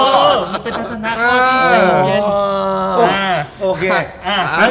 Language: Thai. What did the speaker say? มีปัจจักรสนัก